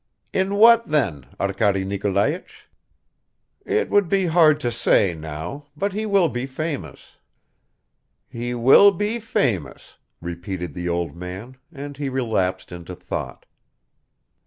"In what then, Arkady Nikolaich?" "It would be hard to say now, but he will be famous." "He will be famous," repeated the old man, and he relapsed into thought.